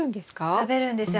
食べるんですよ。